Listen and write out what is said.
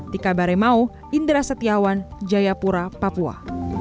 di kabare mau indra setiawan jayapura papua